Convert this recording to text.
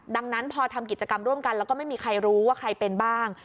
ดังนั้นพอทำกิจกรรมร่วมกันแล้วก็ไม่มีใครรู้ว่าใครเป็นบ้าง